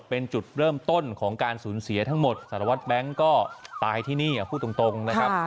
เป็นจุดเริ่มต้นของการสูญเสียทั้งหมดสารวัตรแบงค์ก็ตายที่นี่พูดตรงนะครับ